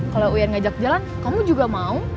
kalau uyan ngajak jalan kamu juga mau